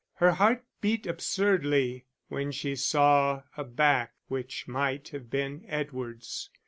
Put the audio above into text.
Her heart beat absurdly when she saw a back which might have been Edward's.